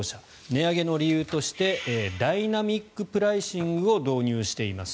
値上げの理由としてダイナミックプライシングを導入しています。